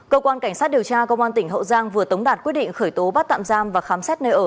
cơ quan cảnh sát điều tra công an tỉnh hậu giang vừa tống đạt quyết định khởi tố bắt tạm giam và khám xét nơi ở